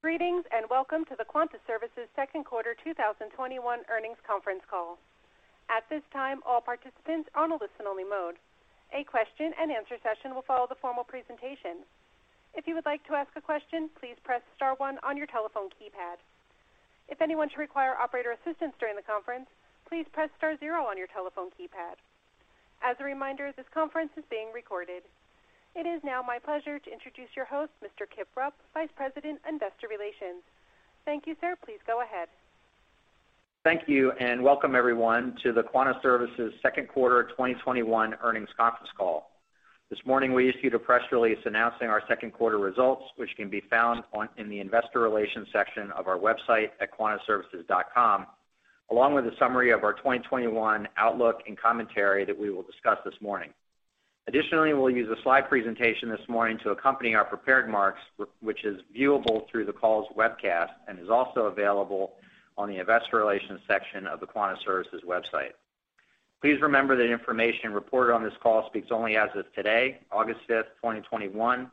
Greetings, and welcome to the Quanta Services Q2 2021 earnings conference call. It is now my pleasure to introduce your host, Mr. Kip Rupp, Vice President, Investor Relations. Thank you, sir. Please go ahead. Thank you, and welcome everyone to the Quanta Services Q2 2021 earnings conference call. This morning, we issued a press release announcing our Q2 results, which can be found in the Investor Relations section of our website at quantaservices.com, along with a summary of our 2021 outlook and commentary that we will discuss this morning. Additionally, we'll use a slide presentation this morning to accompany our prepared remarks, which is viewable through the call's webcast and is also available on the Investor Relations section of the Quanta Services website. Please remember that information reported on this call speaks only as of today, August 5th, 2021.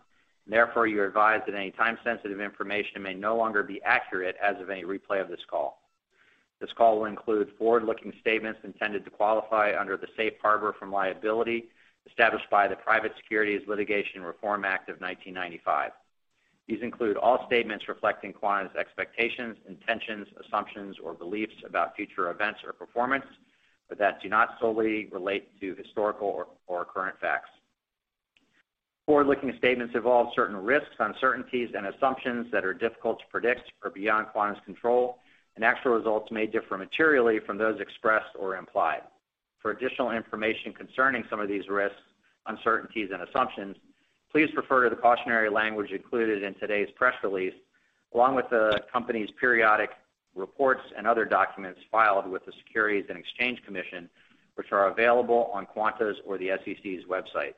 Therefore, you're advised that any time sensitive information may no longer be accurate as of any replay of this call. This call will include forward looking statements intended to qualify under the safe harbor from liability established by the Private Securities Litigation Reform Act of 1995. These include all statements reflecting Quanta's expectations, intentions, assumptions, or beliefs about future events or performance, but that do not solely relate to historical or current facts. Forward looking statements involve certain risks, uncertainties, and assumptions that difficult to predict or beyond Quanta's control, and actual results may differ materially from those expressed or implied. For additional information concerning some of these risks, uncertainties, and assumptions, please refer to the cautionary language included in today's press release, along with the company's periodic reports and other documents filed with the Securities and Exchange Commission, which are available on Quanta's or the SEC's website.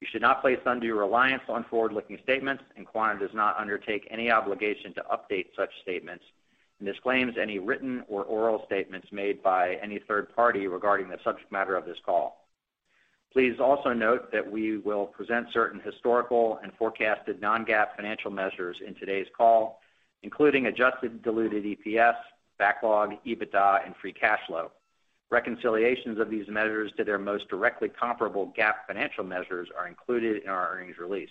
You should not place undue reliance on forward looking statements, and Quanta does not undertake any obligation to update such statements and disclaims any written or oral statements made by any third party regarding the subject matter of this call. Please also note that we will present certain historical and forecasted non-GAAP financial measures in today's call, including adjusted diluted EPS, backlog, EBITDA, and free cash flow. Reconciliations of these measures to their most directly comparable GAAP financial measures are included in our earnings release.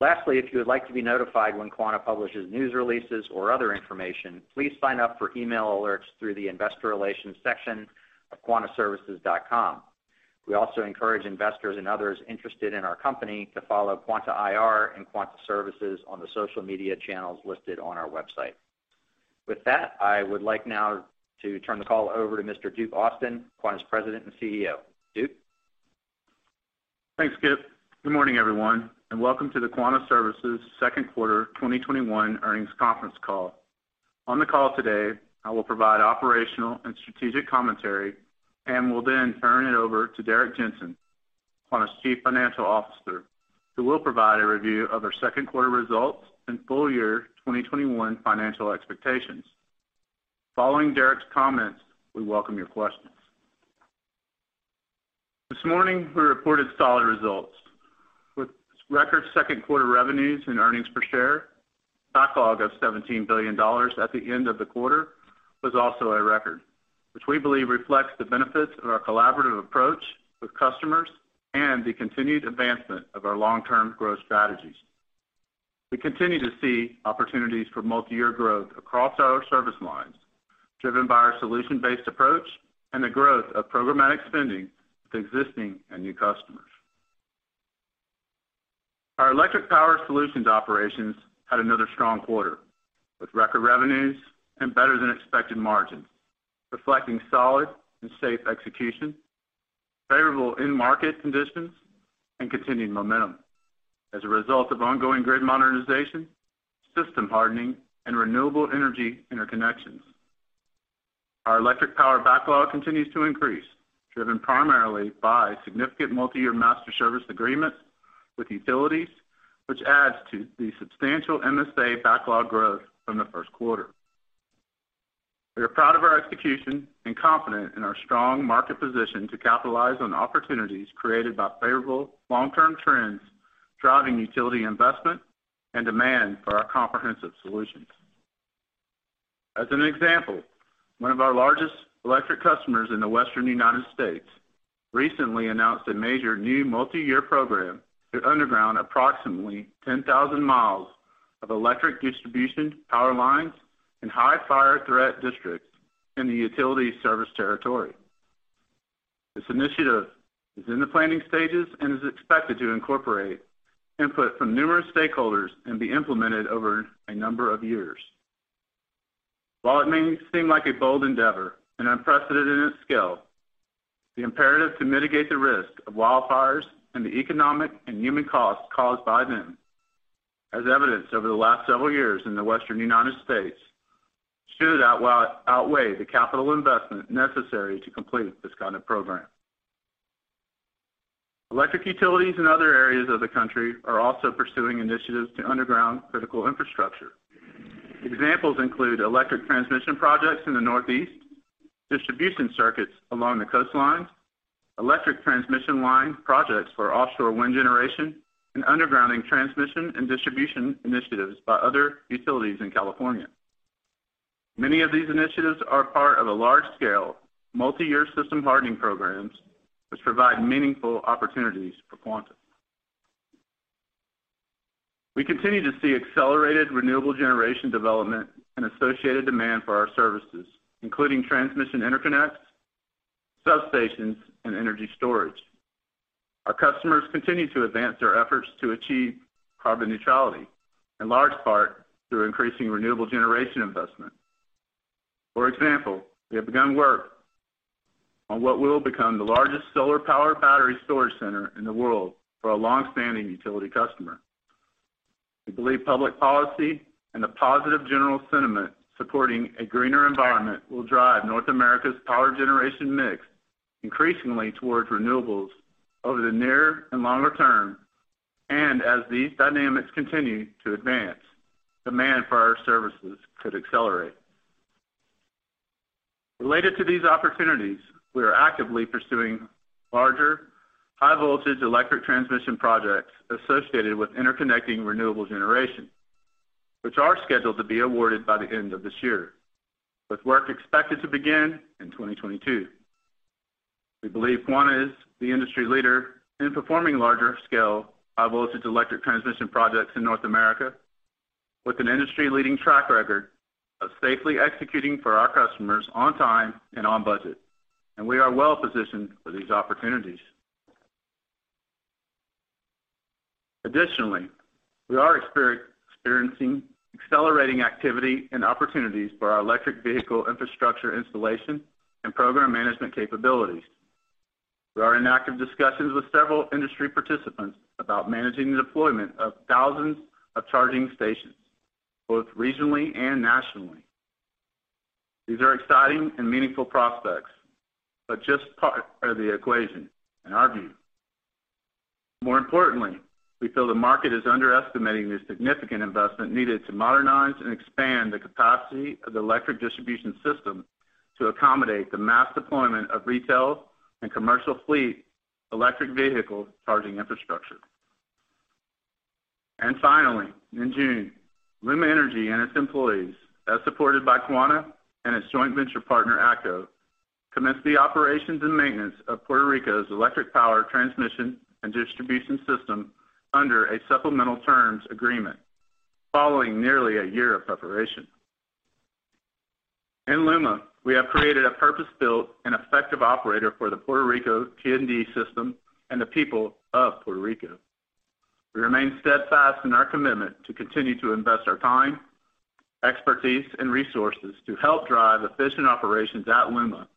Lastly, if you would like to be notified when Quanta publishes news releases or other information, please sign up for email alerts through the investor relations section of quantaservices.com. We also encourage investors and others interested in our company to follow Quanta IR and Quanta Services on the social media channels listed on our website. With that, I would like now to turn the call over to Mr. Duke Austin, Quanta's President and CEO. Duke? Thanks, Kip. Good morning, everyone, Welcome to the Quanta Services Q2 2021 earnings conference call. On the call today, I will provide operational and strategic commentary and will then turn it over to Derrick Jensen, Quanta's Chief Financial Officer, who will provide a review of our Q2 results and full year 2021 financial expectations. Following Derrick's comments, we welcome your questions. This morning, we reported solid results. With record Q2 revenues and earnings per share, backlog of $17 billion at the end of the quarter was also a record, which we believe reflects the benefits of our collaborative approach with customers and the continued advancement of our long-term growth strategies. We continue to see opportunities for multi-year growth across our service lines, driven by our solution-based approach and the growth of programmatic spending with existing and new customers. Our electric power solutions operations had another strong quarter, with record revenues and better than expected margins, reflecting solid and safe execution, favorable end market conditions, and continuing momentum as a result of ongoing grid modernization, system hardening, and renewable energy interconnections. Our electric power backlog continues to increase, driven primarily by significant multi-year Master Service Agreements with utilities, which adds to the substantial MSA backlog growth from the Q1. We are proud of our execution and confident in our strong market position to capitalize on opportunities created by favorable long term trends, driving utility investment and demand for our comprehensive solutions. As an example, one of our largest electric customers in the Western U.S. recently announced a major new multi-year program to underground approximately 10,000 miles of electric distribution power lines in high fire threat districts in the utility service territory. This initiative is in the planning stages and is expected to incorporate input from numerous stakeholders and be implemented over a number of years. While it may seem like a bold endeavor and unprecedented in its scale, the imperative to mitigate the risk of wildfires and the economic and human costs caused by them, as evidenced over the last several years in the Western U.S., should outweigh the capital investment necessary to complete this kind of program. Electric utilities in other areas of the country are also pursuing initiatives to underground critical infrastructure. Examples include electric transmission projects in the Northeast, distribution circuits along the coastlines, electric transmission line projects for offshore wind generation, and undergrounding transmission and distribution initiatives by other utilities in California. Many of these initiatives are part of a large-scale, multi-year system hardening programs which provide meaningful opportunities for Quanta. We continue to see accelerated renewable generation development and associated demand for our services, including transmission interconnects, substations, and energy storage. Our customers continue to advance their efforts to achieve carbon neutrality, in large part through increasing renewable generation investment. For example, we have begun work on what will become the largest solar power battery storage center in the world for a long standing utility customer. We believe public policy and the positive general sentiment supporting a greener environment will drive North America's power generation mix increasingly towards renewables over the near and longer term, and as these dynamics continue to advance, demand for our services could accelerate. Related to these opportunities, we are actively pursuing larger, high voltage electric transmission projects associated with interconnecting renewable generation, which are scheduled to be awarded by the end of this year, with work expected to begin in 2022. We believe Quanta is the industry leader in performing larger-scale high-voltage electric transmission projects in North America, with an industry leading track record of safely executing for our customers on time and on budget. We are well positioned for these opportunities. Additionally, we are experiencing accelerating activity and opportunities for our electric vehicle infrastructure installation and program management capabilities. We are in active discussions with several industry participants about managing the deployment of thousands of charging stations, both regionally and nationally. These are exciting and meaningful prospects, just part of the equation in our view. More importantly, we feel the market is underestimating the significant investment needed to modernize and expand the capacity of the electric distribution system to accommodate the mass deployment of retail and commercial fleet electric vehicle charging infrastructure. Finally, in June, LUMA Energy and its employees, as supported by Quanta and its joint venture partner, ATCO, commenced the operations and maintenance of Puerto Rico's electric power transmission and distribution system under a supplemental terms agreement following nearly a year of preparation. In LUMA, we have created a purpose built and effective operator for the Puerto Rico T&D system and the people of Puerto Rico. We remain steadfast in our commitment to continue to invest our time, expertise, and resources to help drive efficient operations at LUMA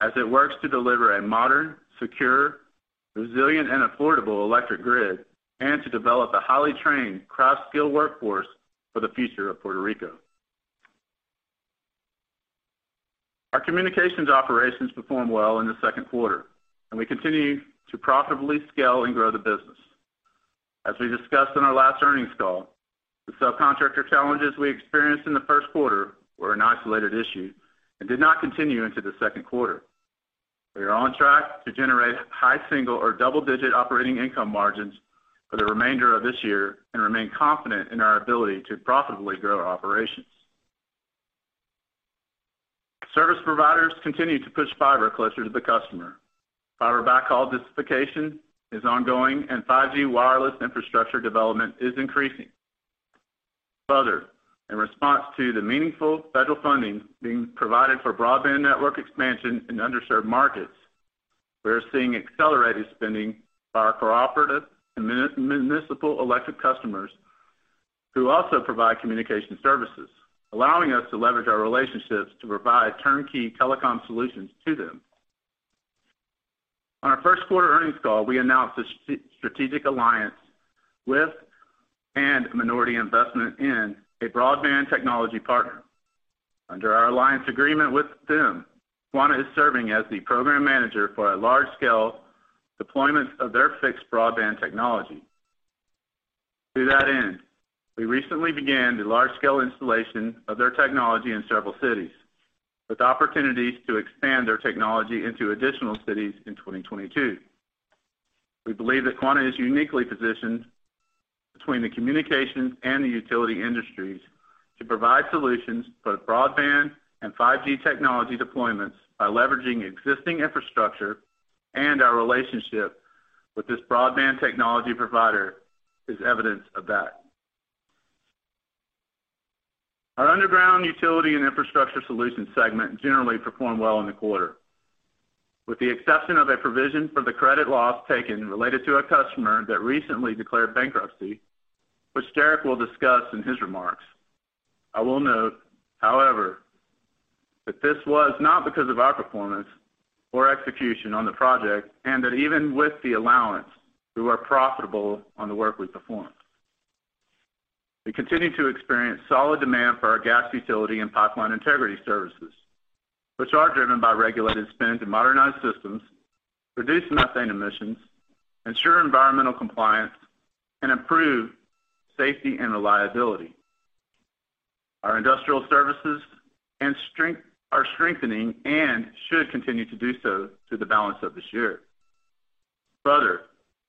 as it works to deliver a modern, secure, resilient and affordable electric grid, and to develop a highly trained, craft-skilled workforce for the future of Puerto Rico. Our communications operations performed well in the Q2, we continue to profitably scale and grow the business. As we discussed in our last earnings call, the subcontractor challenges we experienced in the Q1 were an isolated issue and did not continue into the Q2. We are on track to generate high-single or double-digit operating income margins for the remainder of this year and remain confident in our ability to profitably grow our operations. Service providers continue to push fiber closer to the customer. Fiber backhaul distribution is ongoing and 5G wireless infrastructure development is increasing. Further, in response to the meaningful federal funding being provided for broadband network expansion in underserved markets, we are seeing accelerated spending by our cooperative and municipal electric customers who also provide communication services, allowing us to leverage our relationships to provide turnkey telecom solutions to them. On our Q1 earnings call, we announced a strategic alliance with and minority investment in a broadband technology partner. Under our alliance agreement with them, Quanta is serving as the program manager for a large-scale deployment of their fixed broadband technology. To that end, we recently began the large-scale installation of their technology in several cities, with opportunities to expand their technology into additional cities in 2022. We believe that Quanta is uniquely positioned between the communications and the utility industries to provide solutions for both broadband and 5G technology deployments by leveraging existing infrastructure and our relationship with this broadband technology provider is evidence of that. Our underground utility and infrastructure solutions segment generally performed well in the quarter, with the exception of a provision for the credit loss taken related to a customer that recently declared bankruptcy, which Derrick will discuss in his remarks. I will note, however, that this was not because of our performance or execution on the project, and that even with the allowance, we were profitable on the work we performed. We continue to experience solid demand for our gas utility and pipeline integrity services. Which are driven by regulated spend to modernize systems, reduce methane emissions, ensure environmental compliance, and improve safety and reliability. Our industrial services are strengthening and should continue to do so through the balance of this year. Further,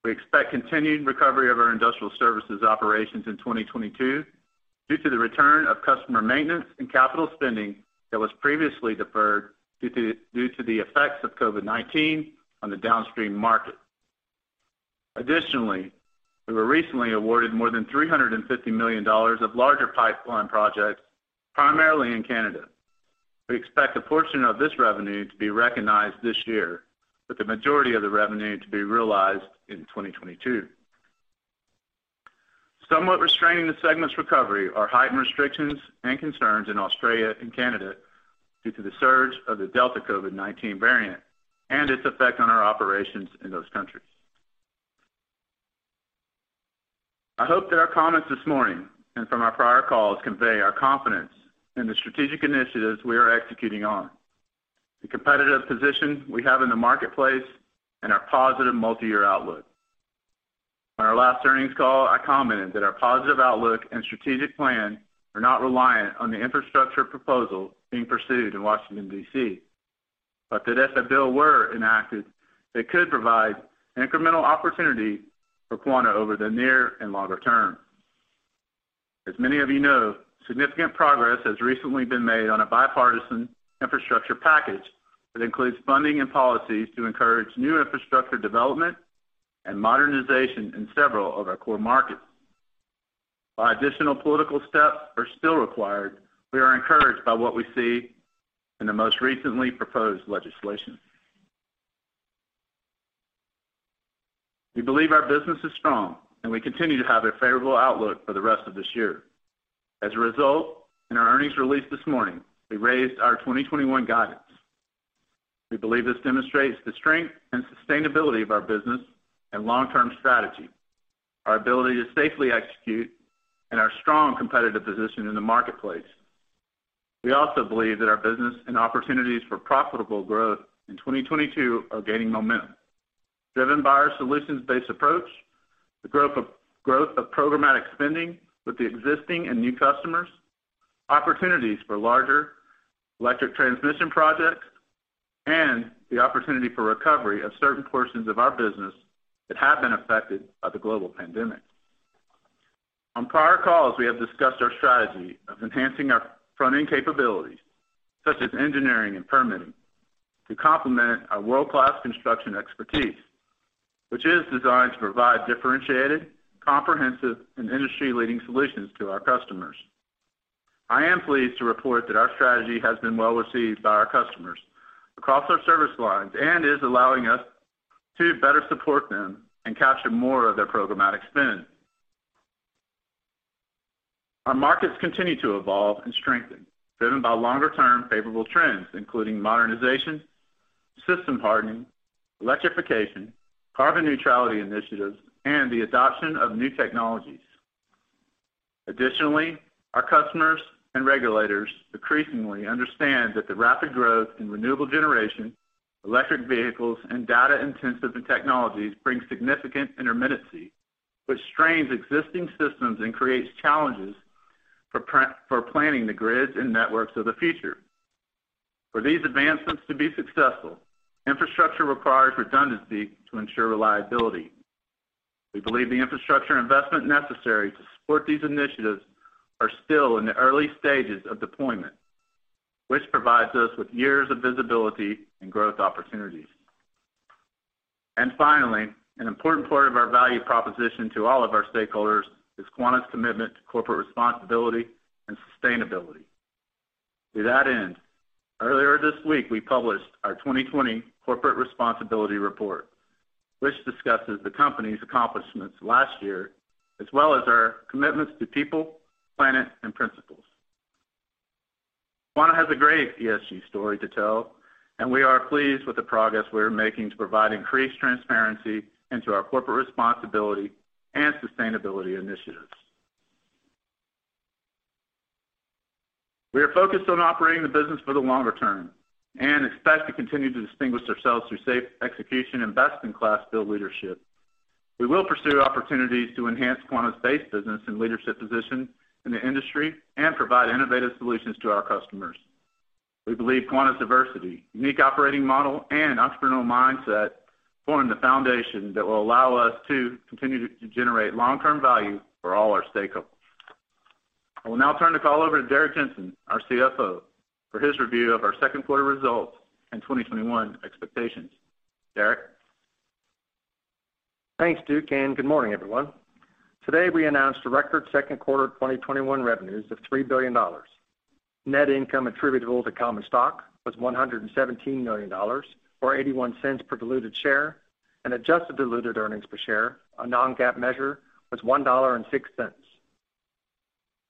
we expect continued recovery of our industrial services operations in 2022 due to the return of customer maintenance and capital spending that was previously deferred due to the effects of COVID-19 on the downstream market. Additionally, we were recently awarded more than $350 million of larger pipeline projects, primarily in Canada. We expect a portion of this revenue to be recognized this year, with the majority of the revenue to be realized in 2022. Somewhat restraining the segment's recovery are heightened restrictions and concerns in Australia and Canada due to the surge of the Delta COVID-19 variant and its effect on our operations in those countries. I hope that our comments this morning and from our prior calls convey our confidence in the strategic initiatives we are executing on, the competitive position we have in the marketplace, and our positive multi-year outlook. On our last earnings call, I commented that our positive outlook and strategic plan are not reliant on the infrastructure proposal being pursued in Washington, D.C. That if a bill were enacted, it could provide incremental opportunity for Quanta over the near and longer term. As many of you know, significant progress has recently been made on a bipartisan infrastructure package that includes funding and policies to encourage new infrastructure development and modernization in several of our core markets. While additional political steps are still required, we are encouraged by what we see in the most recently proposed legislation. We believe our business is strong, and we continue to have a favorable outlook for the rest of this year. As a result, in our earnings release this morning, we raised our 2021 guidance. We believe this demonstrates the strength and sustainability of our business and long-term strategy, our ability to safely execute, and our strong competitive position in the marketplace. We also believe that our business and opportunities for profitable growth in 2022 are gaining momentum, driven by our solutions-based approach, the growth of programmatic spending with the existing and new customers, opportunities for larger electric transmission projects, and the opportunity for recovery of certain portions of our business that have been affected by the global pandemic. On prior calls, we have discussed our strategy of enhancing our front end capabilities, such as engineering and permitting, to complement our world class construction expertise, which is designed to provide differentiated, comprehensive, and industry leading solutions to our customers. I am pleased to report that our strategy has been well received by our customers across our service lines and is allowing us to better support them and capture more of their programmatic spend. Our markets continue to evolve and strengthen, driven by longer-term favorable trends, including modernization, system hardening, electrification, carbon neutrality initiatives, and the adoption of new technologies. Additionally, our customers and regulators increasingly understand that the rapid growth in renewable generation, electric vehicles, and data-intensive technologies bring significant intermittency, which strains existing systems and creates challenges for planning the grids and networks of the future. For these advancements to be successful, infrastructure requires redundancy to ensure reliability. We believe the infrastructure investment necessary to support these initiatives are still in the early stages of deployment, which provides us with years of visibility and growth opportunities. Finally, an important part of our value proposition to all of our stakeholders is Quanta's commitment to corporate responsibility and sustainability. To that end, earlier this week, we published our 2020 Corporate Responsibility Report, which discusses the company's accomplishments last year, as well as our commitments to people, planet, and principles. Quanta has a great ESG story to tell, and we are pleased with the progress we are making to provide increased transparency into our corporate responsibility and sustainability initiatives. We are focused on operating the business for the longer term and expect to continue to distinguish ourselves through safe execution and best in class field leadership. We will pursue opportunities to enhance Quanta's base business and leadership position in the industry and provide innovative solutions to our customers. We believe Quanta's diversity, unique operating model, and entrepreneurial mindset form the foundation that will allow us to continue to generate long-term value for all our stakeholders. I will now turn the call over to Derrick Jensen, our CFO, for his review of our Q2 results and 2021 expectations. Derrick? Thanks, Duke, good morning, everyone. Today we announced record Q2 2021 revenues of $3 billion. Net income attributable to common stock was $117 million, or $0.81 per diluted share, and adjusted diluted earnings per share, a non-GAAP measure, was $1.06.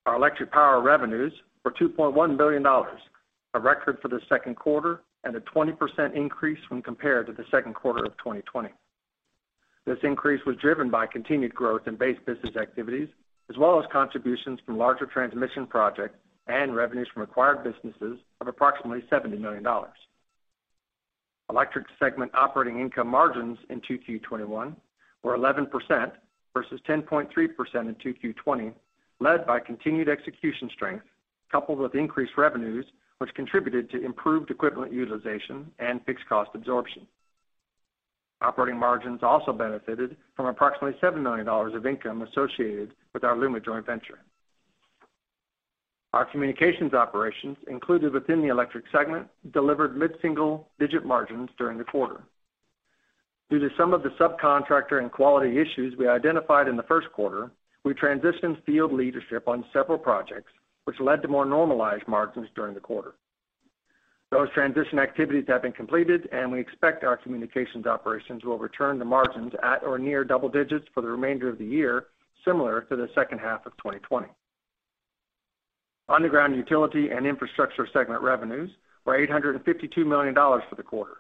Our electric power revenues were $2.1 billion, a record for the Q2, and a 20% increase when compared to the Q2 of 2020. This increase was driven by continued growth in base business activities, as well as contributions from larger transmission projects and revenues from acquired businesses of approximately $70 million. Electric segment operating income margins in Q2 21 were 11% versus 10.3% in Q2 20, led by continued execution strength, coupled with increased revenues, which contributed to improved equipment utilization and fixed cost absorption. Operating margins also benefited from approximately $7 million of income associated with our LUMA joint venture. Our communications operations included within the electric segment delivered mid single digit margins during the quarter. Due to some of the subcontractor and quality issues we identified in the Q1, we transitioned field leadership on several projects, which led to more normalized margins during the quarter. Those transition activities have been completed, we expect our communications operations will return to margins at or near double digits for the remainder of the year, similar to the second half of 2020. Underground utility and infrastructure segment revenues were $852 million for the quarter,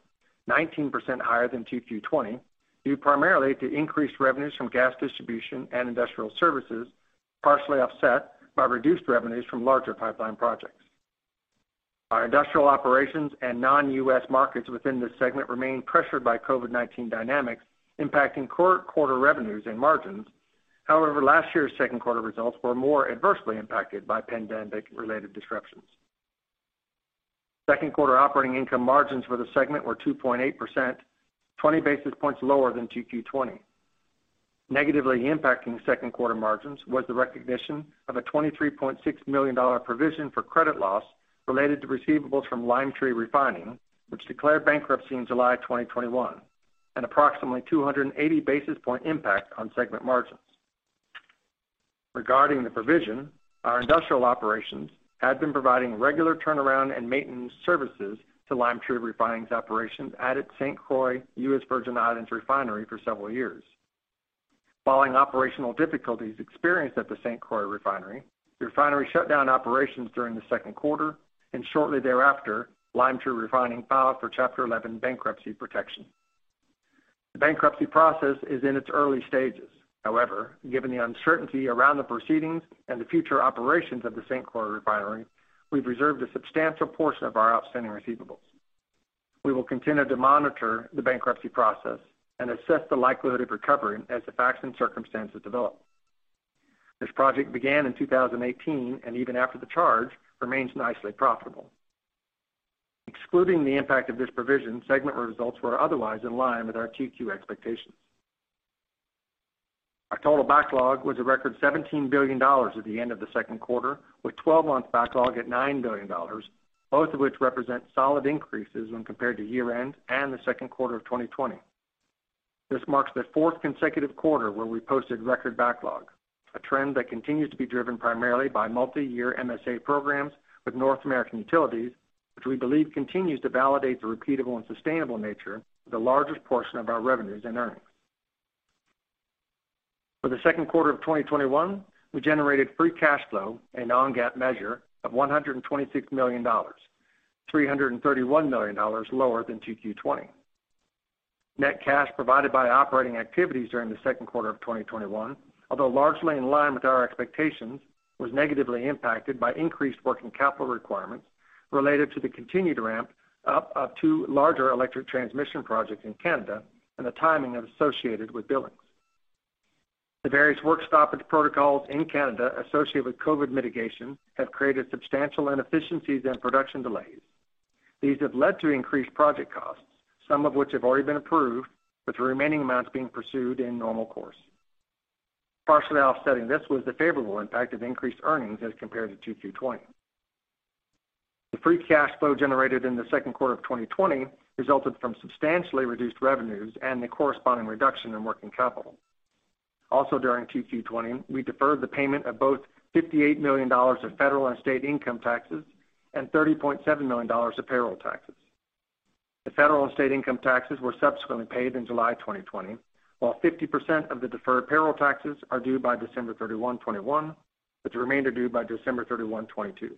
19% higher than Q2 20, due primarily to increased revenues from gas distribution and industrial services, partially offset by reduced revenues from larger pipeline projects. Our industrial operations and non-U.S. markets within this segment remain pressured by COVID-19 dynamics, impacting core quarter revenues and margins. Last year's Q2 results were more adversely impacted by pandemic-related disruptions. Q2 operating income margins for the segment were 2.8%, 20 basis points lower than Q2 20. Negatively impacting Q2 margins was the recognition of a $23.6 million provision for credit loss related to receivables from Limetree Bay Refining, which declared bankruptcy in July 2021, an approximately 280 basis point impact on segment margins. Regarding the provision, our industrial operations had been providing regular turnaround and maintenance services to Limetree Bay Refining's operations at its St. Croix, U.S. Virgin Islands refinery for several years. Following operational difficulties experienced at the St. Croix refinery, the refinery shut down operations during the Q2 and shortly thereafter, Limetree Bay Refining filed for Chapter 11 bankruptcy protection. The bankruptcy process is in its early stages. However, given the uncertainty around the proceedings and the future operations of the St. Croix refinery, we've reserved a substantial portion of our outstanding receivables. We will continue to monitor the bankruptcy process and assess the likelihood of recovery as the facts and circumstances develop. This project began in 2018, and even after the charge, remains nicely profitable. Excluding the impact of this provision, segment results were otherwise in line with our Q2 expectations. Our total backlog was a record $17 billion at the end of the Q2, with 12 months backlog at $9 billion, both of which represent solid increases when compared to year-end and the Q2 of 2020. This marks the consecutive Q4 where we posted record backlog, a trend that continues to be driven primarily by multi-year MSA programs with North American utilities, which we believe continues to validate the repeatable and sustainable nature of the largest portion of our revenues and earnings. For the Q2 of 2021, we generated free cash flow, a non-GAAP measure, of $126 million, $331 million lower than Q2 20. Net cash provided by operating activities during the Q2 of 2021, although largely in line with our expectations, was negatively impacted by increased working capital requirements related to the continued ramp-up of two larger electric transmission projects in Canada and the timing associated with billings. The various work stoppage protocols in Canada associated with COVID mitigation have created substantial inefficiencies and production delays. These have led to increased project costs, some of which have already been approved, with the remaining amounts being pursued in normal course. Partially offsetting this was the favorable impact of increased earnings as compared to Q2 20. The free cash flow generated in the Q2 of 2020 resulted from substantially reduced revenues and the corresponding reduction in working capital. Also during Q2 2020, we deferred the payment of both $58 million of federal and state income taxes and $30.7 million of payroll taxes. The federal and state income taxes were subsequently paid in July 2020, while 50% of the deferred payroll taxes are due by December 31, 2021, with the remainder due by December 31, 2022.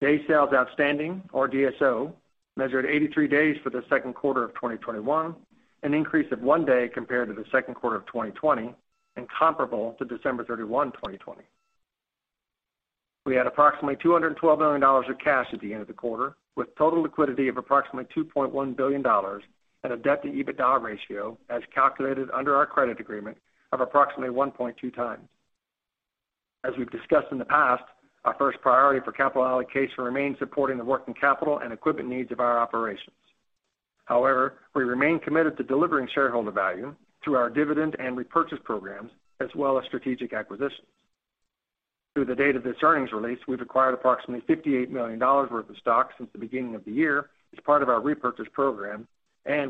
Day sales outstanding, or DSO, measured 83 days for the Q2 of 2021, an increase of 1 day compared to the Q2 of 2020 and comparable to December 31, 2020. We had approximately $212 million of cash at the end of the quarter, with total liquidity of approximately $2.1 billion and a debt to EBITDA ratio, as calculated under our credit agreement, of approximately 1.2x. As we've discussed in the past, our first priority for capital allocation remains supporting the working capital and equipment needs of our operations. However, we remain committed to delivering shareholder value through our dividend and repurchase programs, as well as strategic acquisitions. Through the date of this earnings release, we've acquired approximately $58 million worth of stock since the beginning of the year as part of our repurchase program, and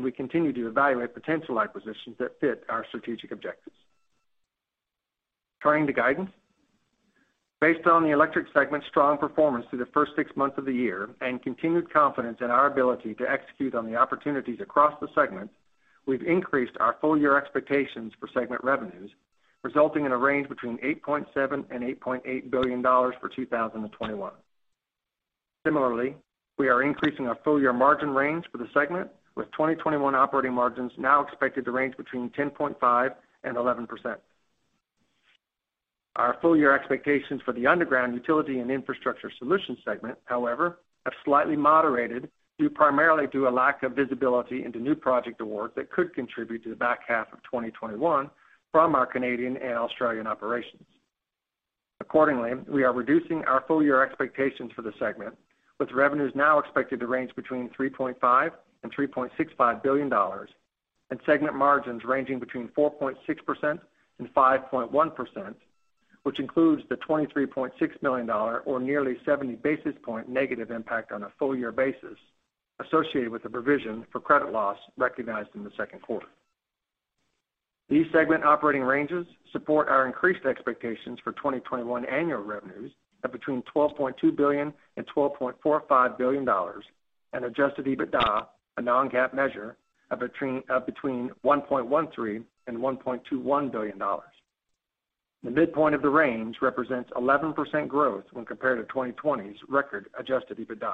we continue to evaluate potential acquisitions that fit our strategic objectives. Turning to guidance. Based on the electric segment's strong performance through the first six months of the year and continued confidence in our ability to execute on the opportunities across the segment, we've increased our full-year expectations for segment revenues, resulting in a range between $8.7 billion and $8.8 billion for 2021. Similarly, we are increasing our full year margin range for the segment, with 2021 operating margins now expected to range between 10.5% and 11%. Our full-year expectations for the underground utility and infrastructure solutions segment, however, have slightly moderated due primarily to a lack of visibility into new project awards that could contribute to the back half of 2021 from our Canadian and Australian operations. Accordingly, we are reducing our full year expectations for the segment, with revenues now expected to range between $3.5 billion and $3.65 billion, and segment margins ranging between 4.6% and 5.1%, which includes the $23.6 million, or nearly 70 basis point negative impact on a full year basis, associated with the provision for credit loss recognized in the Q2. These segment operating ranges support our increased expectations for 2021 annual revenues of between $12.2 billion and $12.45 billion and adjusted EBITDA, a non-GAAP measure, of between $1.13 billion and $1.21 billion. The midpoint of the range represents 11% growth when compared to 2020's record adjusted EBITDA.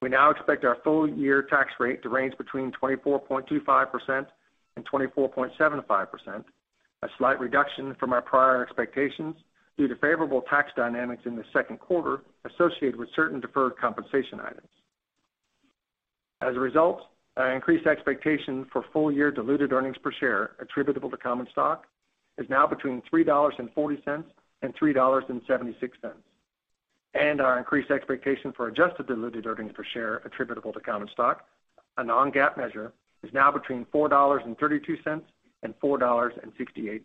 We now expect our full year tax rate to range between 24.25% and 24.75%, a slight reduction from our prior expectations due to favorable tax dynamics in the Q2 associated with certain deferred compensation items. Our increased expectation for full-year diluted earnings per share attributable to common stock is now between $3.40 and $3.76. Our increased expectation for adjusted diluted earnings per share attributable to common stock, a non-GAAP measure, is now between $4.32 and $4.68.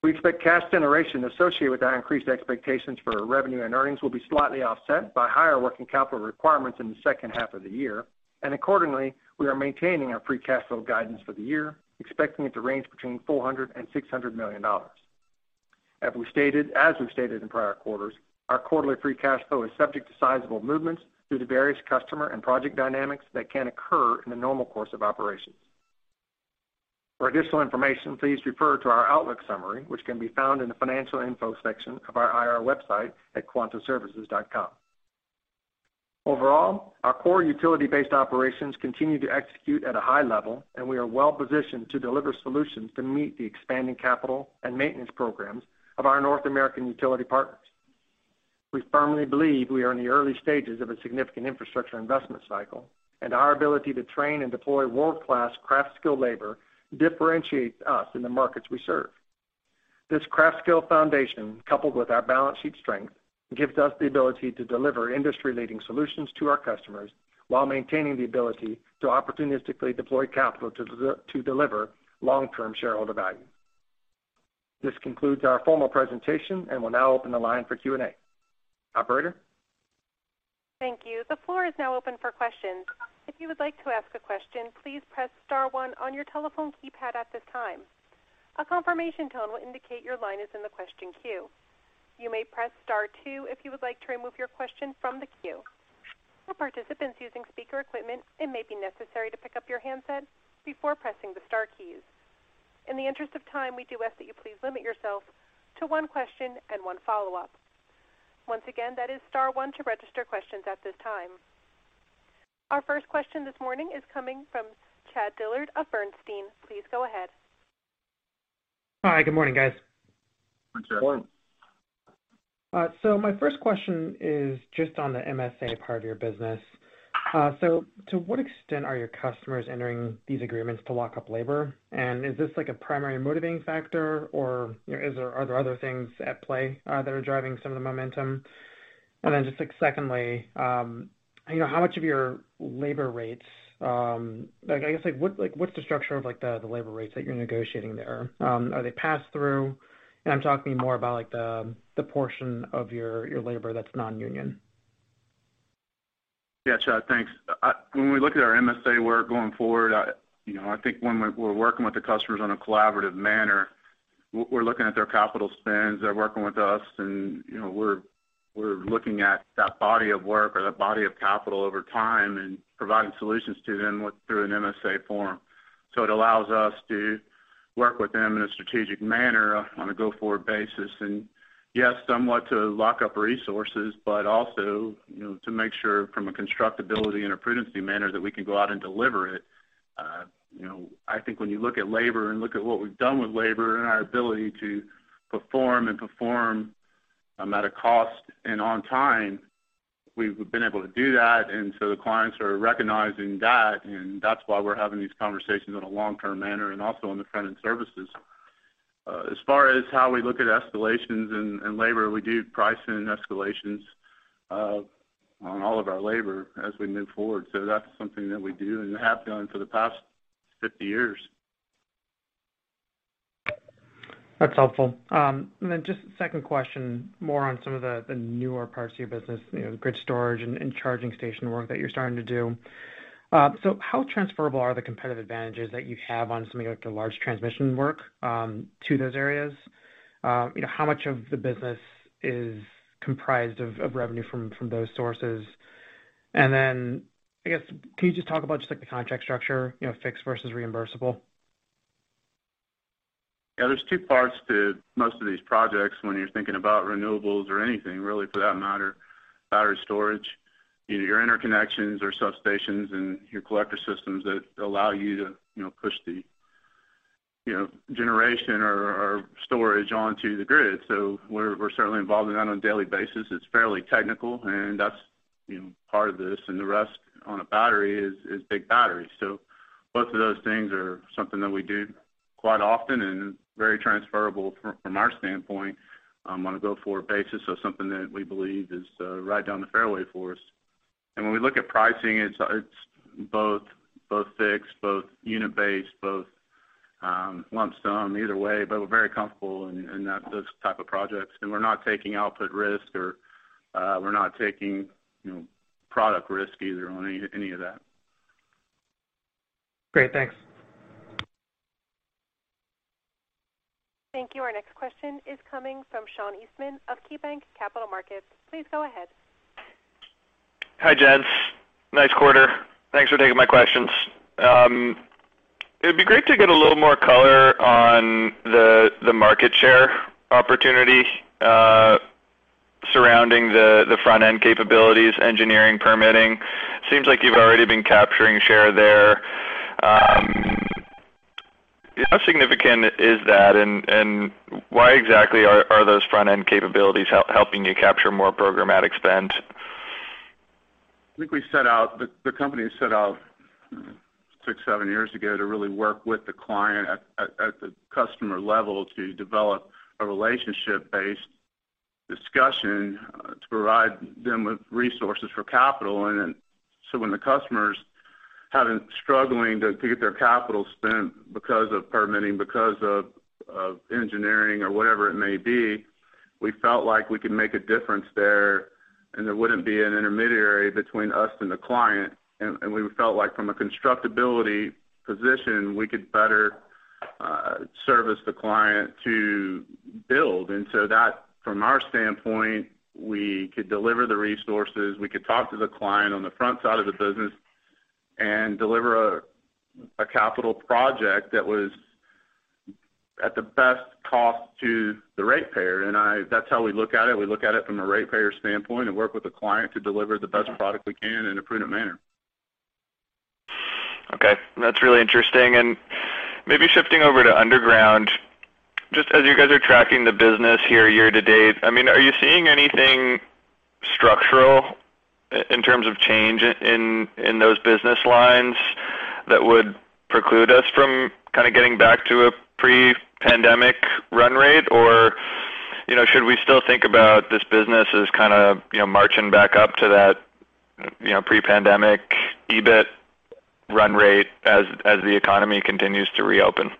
We expect cash generation associated with our increased expectations for revenue and earnings will be slightly offset by higher working capital requirements in the second half of the year. We are maintaining our free cash flow guidance for the year, expecting it to range between $400 million and $600 million. As we've stated in prior quarters, our quarterly free cash flow is subject to sizable movements due to various customer and project dynamics that can occur in the normal course of operations. For additional information, please refer to our outlook summary, which can be found in the Financial Info section of our IR website at quantaservices.com. Overall, our core utility-based operations continue to execute at a high level, and we are well positioned to deliver solutions to meet the expanding capital and maintenance programs of our North American utility partners. We firmly believe we are in the early stages of a significant infrastructure investment cycle, and our ability to train and deploy world class craft skilled labor differentiates us in the markets we serve. This craft skilled foundation, coupled with our balance sheet strength, gives us the ability to deliver industry-leading solutions to our customers while maintaining the ability to opportunistically deploy capital to deliver long-term shareholder value. This concludes our formal presentation, and we'll now open the line for Q&A. Operator? Thank you. The floor is now open for questions. If you would like to ask a question, please press star one on your telephone keypad at this time. A confirmation tone will indicate your line is in the question queue. You may press star two if you would like to remove your question from the queue. For participants using speaker equipment, it may be necessary to pick up your handset before pressing the star keys. In the interest of time, we do ask that you please limit yourself to one question and one follow-up. Once again, that is star one to register questions at this time. Our first question this morning is coming from Chad Dillard of Bernstein. Please go ahead. Hi. Good morning, guys. Hi, Chad. Good morning. My first question is just on the MSA part of your business. To what extent are your customers entering these agreements to lock up labor? Is this a primary motivating factor, or are there other things at play that are driving some of the momentum? Secondly, what's the structure of the labor rates that you're negotiating there? Are they pass-through? I'm talking more about the portion of your labor that's non-union. Yeah, Chad, thanks. When we look at our MSA work going forward, I think when we're working with the customers in a collaborative manner, we're looking at their capital spends. They're working with us, and we're looking at that body of work or that body of capital over time and providing solutions to them through an MSA form. It allows us to work with them in a strategic manner on a go-forward basis, and yes, somewhat to lock up resources, but also to make sure from a constructability and a prudency manner that we can go out and deliver it. I think when you look at labor and look at what we've done with labor and our ability to perform and perform at a cost and on time, we've been able to do that. The clients are recognizing that, and that's why we're having these conversations in a long-term manner and also on the front-end services. As far as how we look at escalations and labor, we do pricing and escalations on all of our labor as we move forward. That's something that we do and have done for the past 50 years. That's helpful. Just a second question, more on some of the newer parts of your business, the grid storage and charging station work that you're starting to do. How transferable are the competitive advantages that you have on something like the large transmission work to those areas? How much of the business is comprised of revenue from those sources? I guess, can you just talk about just the contract structure, fixed versus reimbursable? Yeah, there's two parts to most of these projects when you're thinking about renewables or anything, really, for that matter, battery storage. Either your interconnections or substations and your collector systems that allow you to push the generation or storage onto the grid. We're certainly involved in that on a daily basis. It's fairly technical, and that's part of this. The rest on a battery is big batteries. Both of those things are something that we do quite often and very transferable from our standpoint on a go-forward basis. Something that we believe is right down the fairway for us. When we look at pricing, it's both fixed, both unit-based, both lump sum, either way, but we're very comfortable in those type of projects. We're not taking output risk or we're not taking product risk either on any of that. Great. Thanks. Thank you. Our next question is coming from Sean Eastman of KeyBanc Capital Markets. Please go ahead. Hi, gents. Nice quarter. Thanks for taking my questions. It'd be great to get a little more color on the market share opportunity surrounding the front end capabilities, engineering permitting. Seems like you've already been capturing share there. How significant is that and why exactly are those front end capabilities helping you capture more programmatic spend? I think the company set out six, seven years ago to really work with the client at the customer level to develop a relationship-based discussion to provide them with resources for capital. When the customers having struggling to get their capital spent because of permitting, because of engineering or whatever it may be, we felt like we could make a difference there, and there wouldn't be an intermediary between us and the client. We felt like from a constructability position, we could better service the client to build. That from our standpoint, we could deliver the resources, we could talk to the client on the front side of the business and deliver a capital project that was at the best cost to the ratepayer. That's how we look at it. We look at it from a ratepayer standpoint and work with the client to deliver the best product we can in a prudent manner. Okay. That's really interesting. Maybe shifting over to underground, just as you guys are tracking the business here year to date, are you seeing anything structural in terms of change in those business lines that would preclude us from kind of getting back to a pre-pandemic run rate? Should we still think about this business as kind of marching back up to that pre-pandemic EBIT run rate as the economy continues to reopen?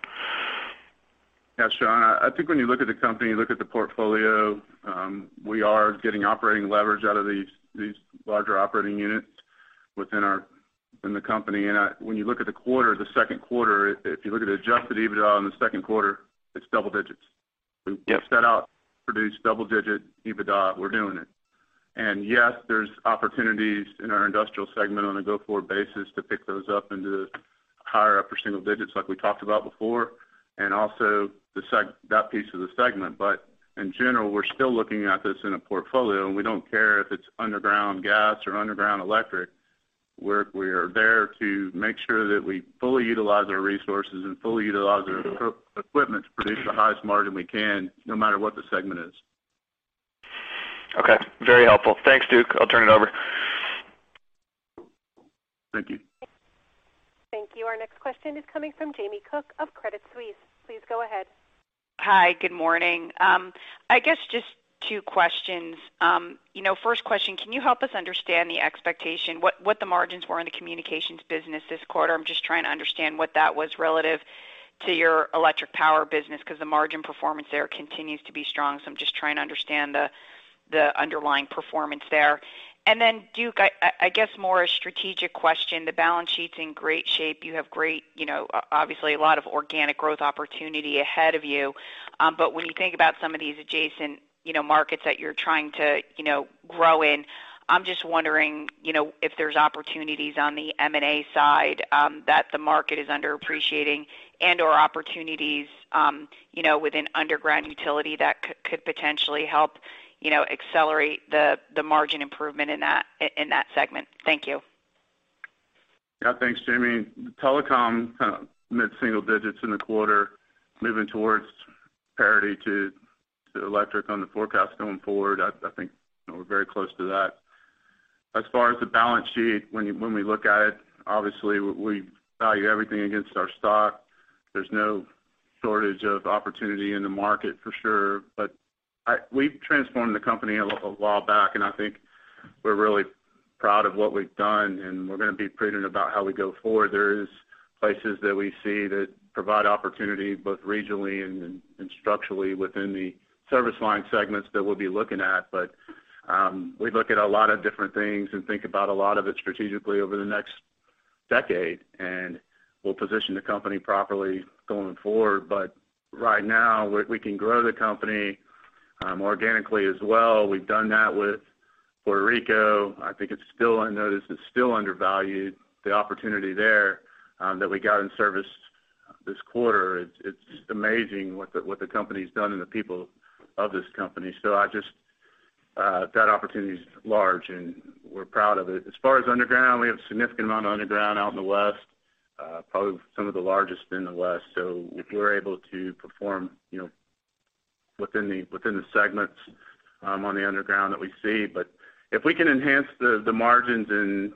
Yeah, Sean, I think when you look at the company, you look at the portfolio, we are getting operating leverage out of these larger operating units within the company. When you look at the quarter, the Q2, if you look at adjusted EBITDA on the Q2, it's double digits. Yep. We set out to produce double-digit EBITDA. We're doing it. Yes, there's opportunities in our industrial segment on a go-forward basis to pick those up into higher upper single digits like we talked about before, and also that piece of the segment. In general, we're still looking at this in a portfolio, and we don't care if it's underground gas or underground electric. We are there to make sure that we fully utilize our resources and fully utilize our equipment to produce the highest margin we can, no matter what the segment is. Okay. Very helpful. Thanks, Duke. I'll turn it over. Thank you. Thank you. Our next question is coming from Jamie Cook of Credit Suisse. Please go ahead. Hi. Good morning. I guess just two questions. First question, can you help us understand the expectation, what the margins were in the communications business this quarter? I'm just trying to understand what that was relative to your electric power business, because the margin performance there continues to be strong. I'm just trying to understand the underlying performance there. Duke, I guess more a strategic question. The balance sheet's in great shape. You have great, obviously a lot of organic growth opportunity ahead of you. When you think about some of these adjacent markets that you're trying to grow in, I'm just wondering if there's opportunities on the M&A side that the market is under-appreciating and/or opportunities within underground utility that could potentially help accelerate the margin improvement in that segment. Thank you. Yeah. Thanks, Jamie. Telecom kind of mid-single digits in the quarter, moving towards parity to electric on the forecast going forward. I think we're very close to that. As far as the balance sheet, when we look at it, obviously we value everything against our stock. There's no shortage of opportunity in the market for sure, but we've transformed the company a while back, and I think we're really proud of what we've done, and we're going to be prudent about how we go forward. There is places that we see that provide opportunity, both regionally and structurally within the service line segments that we'll be looking at. We look at a lot of different things and think about a lot of it strategically over the next decade, and we'll position the company properly going forward. Right now, we can grow the company organically as well. We've done that with Puerto Rico, I think I noticed it's still undervalued. The opportunity there that we got in service this quarter, it's just amazing what the company's done and the people of this company. That opportunity's large, and we're proud of it. As far as underground, we have a significant amount of underground out in the West, probably some of the largest in the West. If we're able to perform within the segments on the underground that we see. If we can enhance the margins, then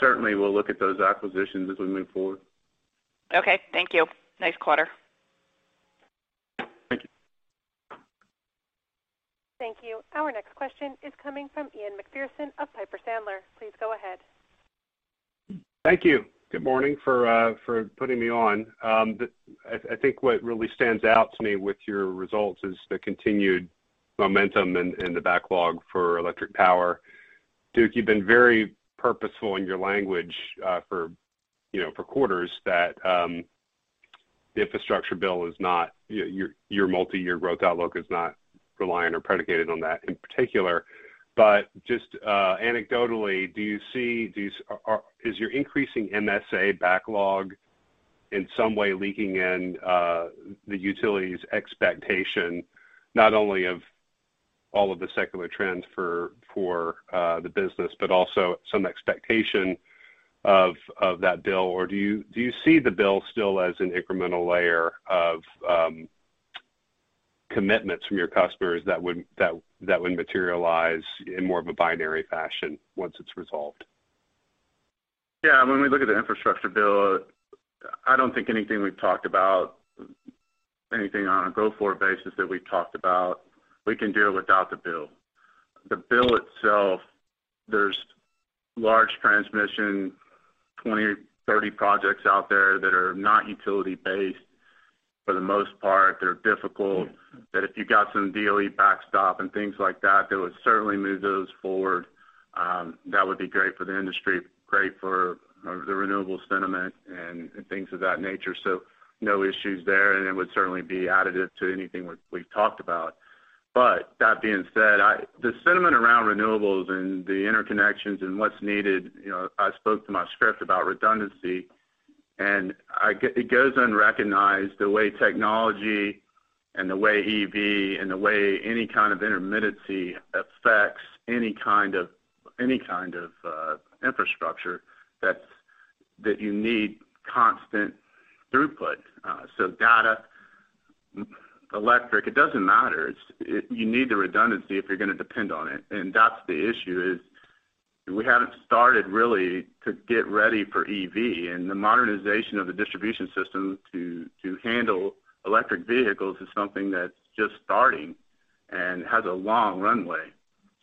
certainly we'll look at those acquisitions as we move forward. Okay. Thank you. Nice quarter. Thank you. Thank you. Our next question is coming from Ian Macpherson of Piper Sandler. Please go ahead. Thank you. Good morning for putting me on. I think what really stands out to me with your results is the continued momentum and the backlog for electric power. Duke, you've been very purposeful in your language for quarters that the infrastructure bill, your multi-year growth outlook is not reliant or predicated on that in particular. Just anecdotally, is your increasing MSA backlog in some way leaking in the utility's expectation, not only of all of the secular trends for the business, but also some expectation of that bill? Do you see the bill still as an incremental layer of commitments from your customers that would materialize in more of a binary fashion once it's resolved? When we look at the infrastructure bill, I don't think anything we've talked about, anything on a go-forward basis that we've talked about, we can do without the bill. The bill itself, there's large transmission, 20-30 projects out there that are not utility based. For the most part, they're difficult, that if you got some DOE backstop and things like that would certainly move those forward. That would be great for the industry, great for the renewable sentiment and things of that nature. No issues there, and it would certainly be additive to anything we've talked about. That being said, the sentiment around renewables and the interconnections and what's needed, I spoke to my script about redundancy, and it goes unrecognized the way technology and the way EV and the way any kind of intermittency affects any kind of infrastructure that you need constant throughput. Data, electric, it doesn't matter. You need the redundancy if you're going to depend on it. That's the issue is we haven't started really to get ready for EV and the modernization of the distribution system to handle electric vehicles is something that's just starting and has a long runway.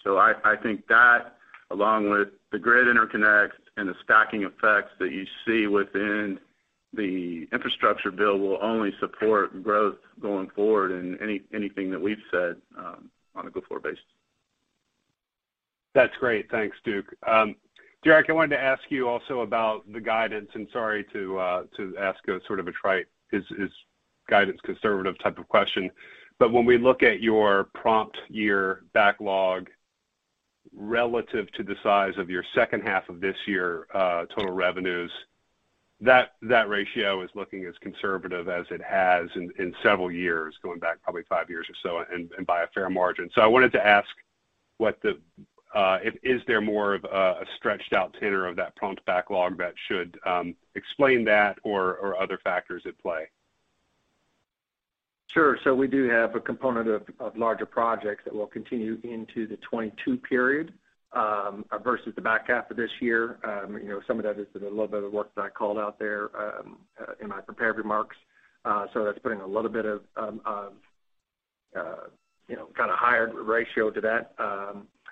I think that along with the grid interconnect and the stacking effects that you see within the infrastructure bill will only support growth going forward and anything that we've said on a go-forward basis. That's great. Thanks, Duke. Derrick, I wanted to ask you also about the guidance. Sorry to ask a trite, is guidance conservative type of question. When we look at your prompt year backlog relative to the size of your second half of this year total revenues, that ratio is looking as conservative as it has in several years, going back probably five years or so and by a fair margin. I wanted to ask is there more of a stretched out tenor of that prompt backlog that should explain that or are other factors at play? Sure. We do have a component of larger projects that will continue into the 2022 period versus the back half of this year. Some of that is the little bit of work that I called out there in my prepared remarks. That's putting a little bit of higher ratio to that.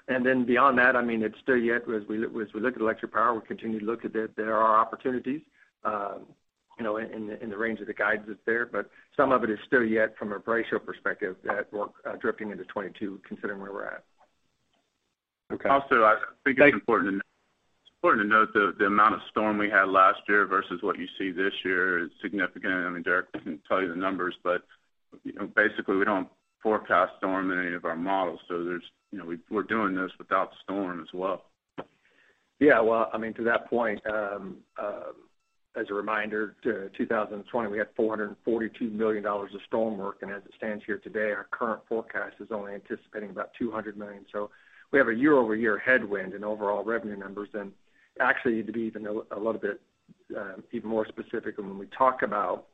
Then beyond that, as we look at electric power, we continue to look at there are opportunities in the range of the guidance that's there. Some of it is still yet from a ratio perspective that we're drifting into 2022, considering where we're at. Okay. I think it's important to note the amount of storm we had last year versus what you see this year is significant. Derrick can tell you the numbers, but basically we don't forecast storm in any of our models. We're doing this without storm as well. Yeah. Well, to that point, as a reminder, 2020, we had $442 million of storm work. As it stands here today, our current forecast is only anticipating about $200 million. Actually, to be even a little bit even more specific when we talk about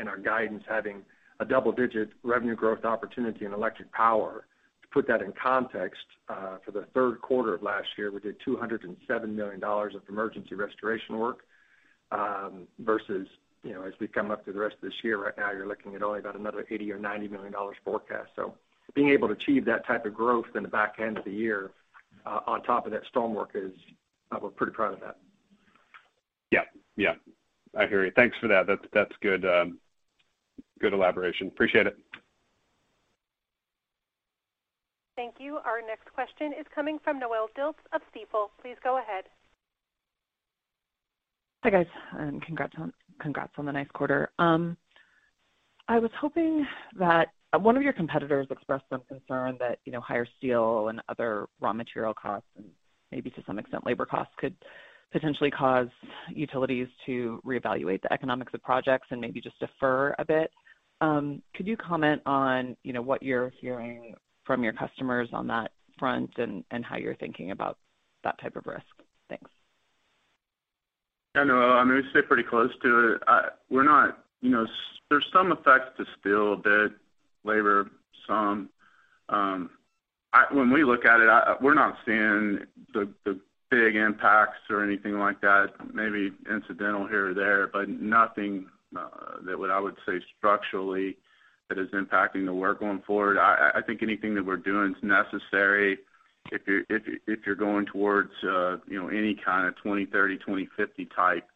in our guidance having a double-digit revenue growth opportunity in electric power, to put that in context, for the Q3 of last year, we did $207 million of emergency restoration work, versus as we come up to the rest of this year, right now you're looking at only about another $80 million or $90 million forecast. Being able to achieve that type of growth in the back end of the year on top of that storm work, we're pretty proud of that. Yeah. I hear you. Thanks for that. That's good elaboration. Appreciate it. Thank you. Our next question is coming from Noelle Dilts of Stifel. Please go ahead. Hi, guys. Congrats on the nice quarter. I was hoping one of your competitors expressed some concern that higher steel and other raw material costs and maybe to some extent, labor costs, could potentially cause utilities to reevaluate the economics of projects and maybe just defer a bit. Could you comment on what you're hearing from your customers on that front and how you're thinking about that type of risk? Thanks. Yeah, no, we stay pretty close to it. There's some effects to steel, a bit labor, some. When we look at it, we're not seeing the big impacts or anything like that. Nothing that I would say structurally that is impacting the work going forward. I think anything that we're doing is necessary if you're going towards any kind of 2030, 2050-type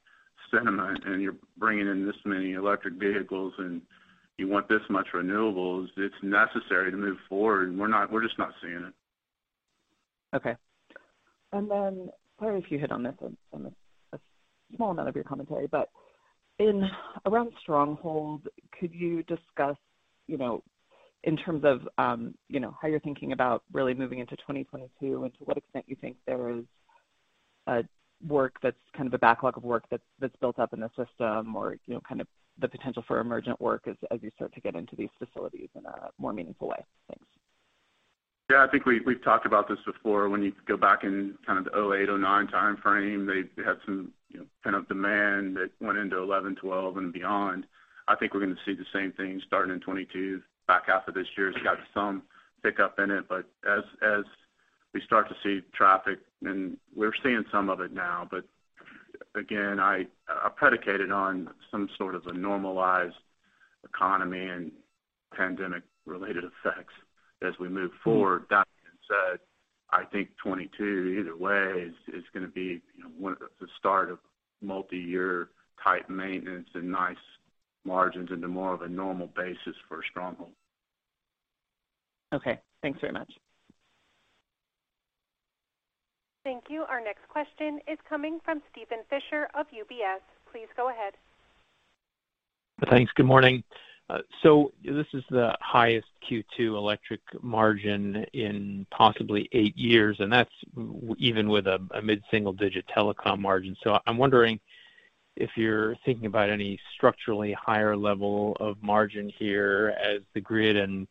sentiment and you're bringing in this many electric vehicles and you want this much renewables, it's necessary to move forward. We're just not seeing it. Okay. Sorry if you hit on this in a small amount of your commentary, but around Stronghold, could you discuss, in terms of how you're thinking about really moving into 2022 and to what extent you think there is a backlog of work that's built up in the system or kind of the potential for emergent work as you start to get into these facilities in a more meaningful way? Thanks. Yeah. I think we've talked about this before. When you go back in kind of the 2008, 2009 timeframe, they had some kind of demand that went into 2011, 2012, and beyond. I think we're going to see the same thing starting in 2022. Back half of this year's got some pickup in it. As we start to see traffic, and we're seeing some of it now, but again, I predicated on some sort of a normalized economy and pandemic-related effects as we move forward. That being said, I think 2022, either way, is going to be the start of multi-year type maintenance and nice margins into more of a normal basis for Stronghold. Okay. Thanks very much. Thank you. Our next question is coming from Steven Fisher of UBS. Please go ahead. Thanks. Good morning. This is the highest Q2 electric margin in possibly eight years, and that's even with a mid-single-digit telecom margin. I'm wondering if you're thinking about any structurally higher level of margin here as the grid and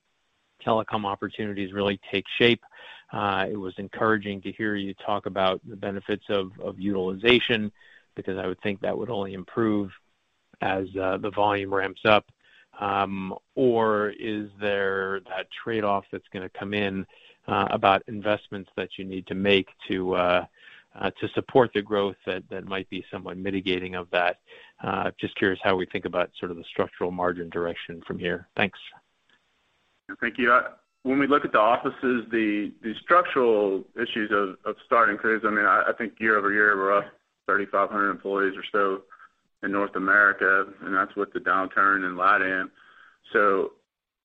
telecom opportunities really take shape. It was encouraging to hear you talk about the benefits of utilization, because I would think that would only improve as the volume ramps up. Is there that trade-off that's going to come in about investments that you need to make to support the growth that might be somewhat mitigating of that? Just curious how we think about sort of the structural margin direction from here. Thanks. Thank you. We look at the offices, the structural issues of starting crews, I think year-over-year, we're up 3,500 employees or so in North America, and that's with the downturn in LATAM.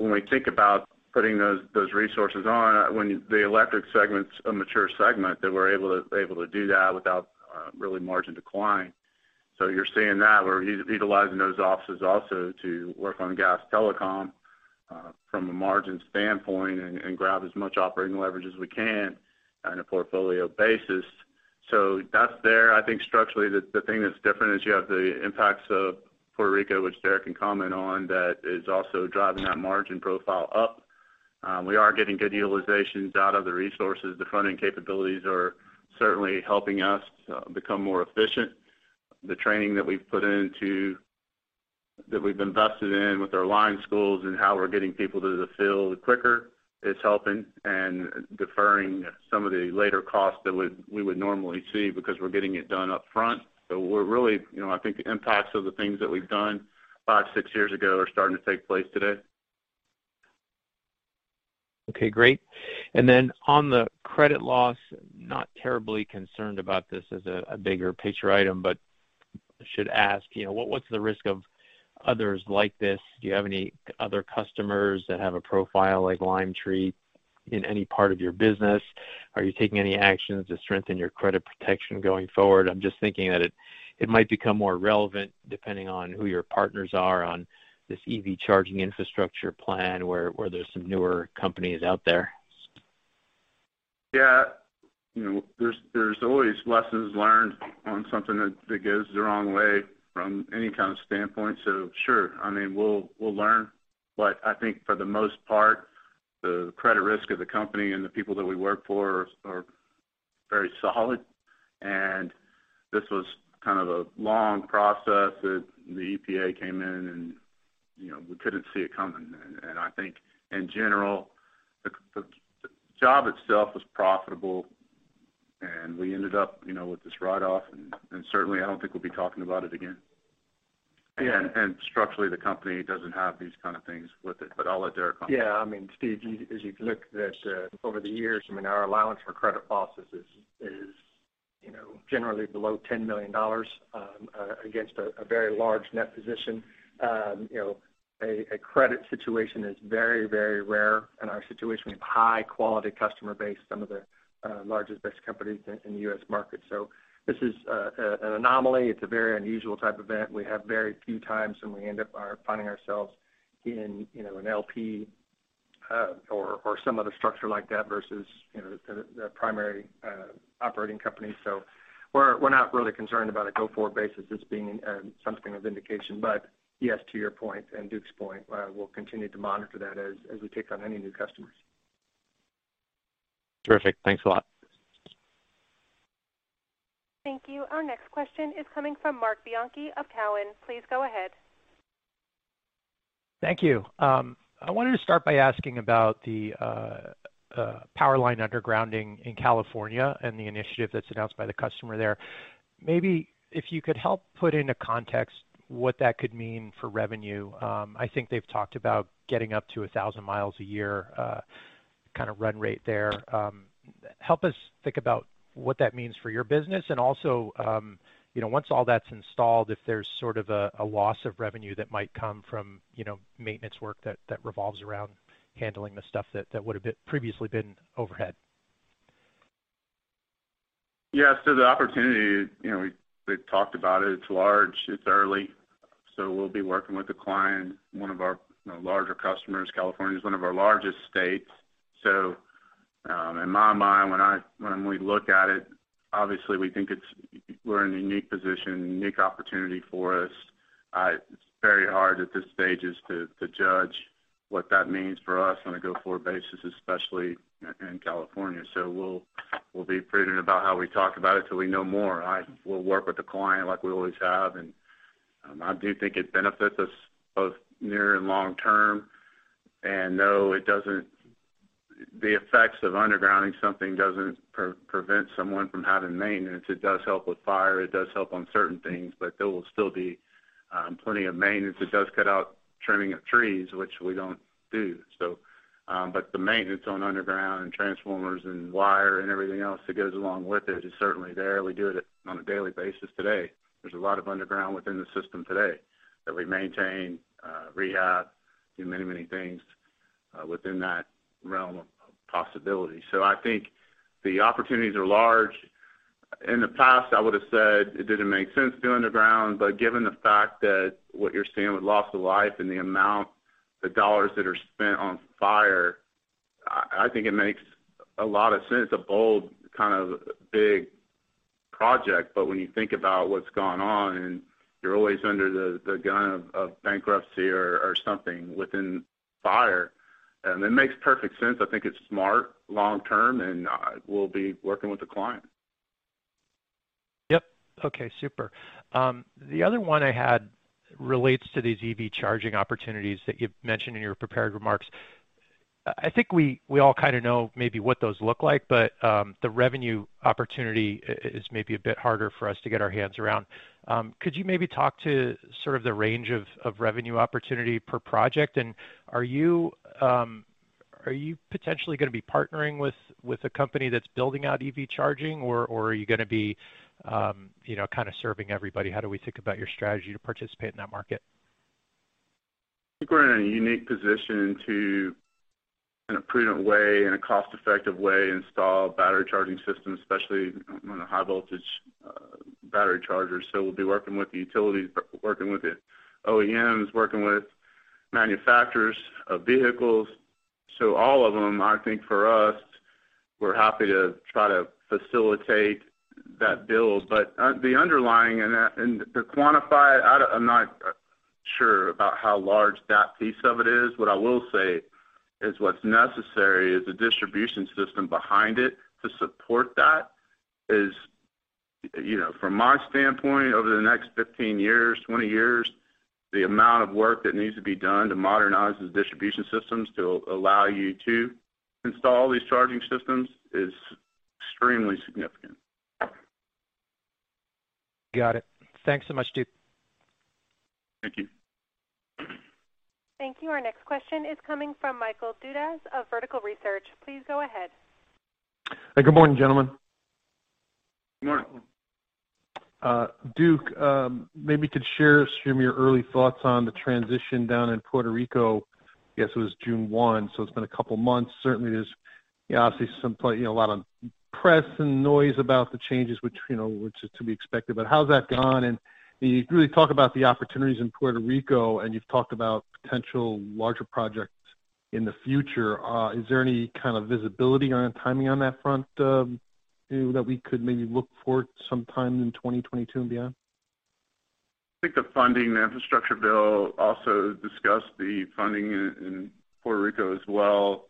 We think about putting those resources on, when the electric segment's a mature segment, that we're able to do that without really margin decline. You're seeing that. We're utilizing those offices also to work on gas telecom from a margin standpoint and grab as much operating leverage as we can on a portfolio basis. That's there. I think structurally, the thing that's different is you have the impacts of Puerto Rico, which Derrick can comment on, that is also driving that margin profile up. We are getting good utilizations out of the resources. The funding capabilities are certainly helping us become more efficient. The training that we've invested in with our line schools and how we're getting people to the field quicker is helping and deferring some of the later costs that we would normally see because we're getting it done up front. We're really, I think the impacts of the things that we've done five, six years ago are starting to take place today. Okay, great. Then on the credit loss, not terribly concerned about this as a bigger picture item, but should ask, what's the risk of others like this? Do you have any other customers that have a profile like Limetree Bay Refining in any part of your business? Are you taking any actions to strengthen your credit protection going forward? I'm just thinking that it might become more relevant depending on who your partners are on this EV charging infrastructure plan, where there's some newer companies out there. There's always lessons learned on something that goes the wrong way from any kind of standpoint. Sure, we'll learn. I think for the most part, the credit risk of the company and the people that we work for are very solid, and this was kind of a long process that the EPA came in, and we couldn't see it coming. I think in general, the job itself was profitable, and we ended up with this write-off, and certainly, I don't think we'll be talking about it again. Structurally, the company doesn't have these kind of things with it, but I'll let Derrick comment. Yeah, Steven, as you've looked at over the years, our allowance for credit losses is generally below $10 million against a very large net position. A credit situation is very, very rare. In our situation, we have high-quality customer base, some of the largest, best companies in the U.S. market. This is an anomaly. It's a very unusual type event. We have very few times when we end up finding ourselves. In an LP or some other structure like that versus the primary operating company. We're not really concerned about a go-forward basis as being some kind of indication. Yes, to your point and Duke's point, we'll continue to monitor that as we take on any new customers. Terrific. Thanks a lot. Thank you. Our next question is coming from Marc Bianchi of Cowen. Please go ahead. Thank you. I wanted to start by asking about the power line undergrounding in California and the initiative that is announced by the customer there. Maybe if you could help put into context what that could mean for revenue. I think they have talked about getting up to 1,000 miles a year kind of run rate there. Help us think about what that means for your business and also once all that is installed, if there is sort of a loss of revenue that might come from maintenance work that revolves around handling the stuff that would have previously been overhead. Yeah. The opportunity, we've talked about it. It's large, it's early. We'll be working with a client, one of our larger customers. California's one of our largest states. In my mind, when we look at it, obviously we think we're in a unique position, a unique opportunity for us. It's very hard at this stage to judge what that means for us on a go-forward basis, especially in California. We'll be prudent about how we talk about it till we know more. We'll work with the client like we always have, and I do think it benefits us both near and long term. No, the effects of undergrounding something doesn't prevent someone from having maintenance. It does help with fire, it does help on certain things, but there will still be plenty of maintenance. It does cut out trimming of trees, which we don't do. The maintenance on underground and transformers and wire and everything else that goes along with it is certainly there. We do it on a daily basis today. There's a lot of underground within the system today that we maintain, rehab, do many things within that realm of possibility. I think the opportunities are large. In the past, I would've said it didn't make sense to go underground, but given the fact that what you're seeing with loss of life and the amount, the dollars that are spent on fire, I think it makes a lot of sense, a bold kind of big project. When you think about what's gone on and you're always under the gun of bankruptcy or something within fire, it makes perfect sense. I think it's smart long term, and we'll be working with the client. Yep. Okay, super. The other one I had relates to these EV charging opportunities that you've mentioned in your prepared remarks. I think we all kind of know maybe what those look like, but the revenue opportunity is maybe a bit harder for us to get our heads around. Could you maybe talk to sort of the range of revenue opportunity per project? Are you potentially going to be partnering with a company that's building out EV charging, or are you going to be kind of serving everybody? How do we think about your strategy to participate in that market? I think we're in a unique position to, in a prudent way, in a cost effective way, install battery charging systems, especially on a high voltage battery charger. We'll be working with the utilities, working with the OEMs, working with manufacturers of vehicles. All of them, I think for us, we're happy to try to facilitate that build. The underlying and to quantify it, I'm not sure about how large that piece of it is. What I will say is what's necessary is the distribution system behind it to support that is, from my standpoint, over the next 15 years, 20 years, the amount of work that needs to be done to modernize the distribution systems to allow you to install these charging systems is extremely significant. Got it. Thanks so much, Duke. Thank you. Thank you. Our next question is coming from Michael Dudas of Vertical Research. Please go ahead. Good morning, gentlemen. Good morning. Duke, maybe you could share some of your early thoughts on the transition down in Puerto Rico. Guess it was June 1, so it's been a couple of months. Certainly, there's obviously a lot of press and noise about the changes, which is to be expected. How's that gone? You really talk about the opportunities in Puerto Rico, and you've talked about potential larger projects in the future. Is there any kind of visibility on timing on that front that we could maybe look for sometime in 2022 and beyond? I think the funding, the infrastructure bill also discussed the funding in Puerto Rico as well.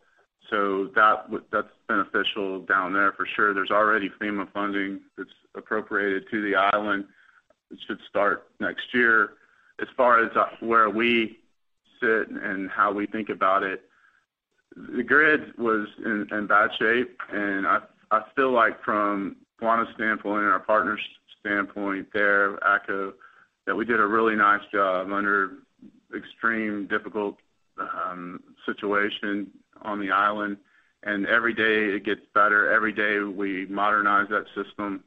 That's beneficial down there for sure. There's already FEMA funding that's appropriated to the island, which should start next year. As far as where we sit and how we think about it, the grid was in bad shape and I still like from Quanta standpoint and our partners' standpoint there, ATCO, that we did a really nice job under extreme difficult situation on the island. Every day it gets better. Every day we modernize that system.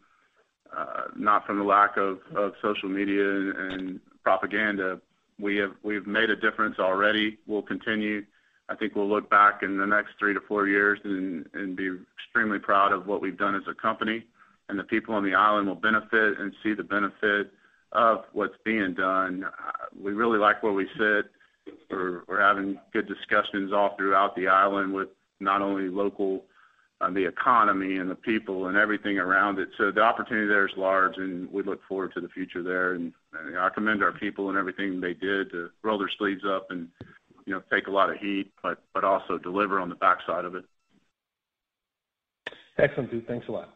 Not from the lack of social media and propaganda. We've made a difference already. We'll continue. I think we'll look back in the next three to four years and be extremely proud of what we've done as a company. The people on the island will benefit and see the benefit of what's being done. We really like where we sit. We're having good discussions all throughout the island with not only local, the economy and the people and everything around it. The opportunity there is large, and we look forward to the future there. I commend our people and everything they did to roll their sleeves up and take a lot of heat, but also deliver on the backside of it. Excellent, Duke. Thanks a lot.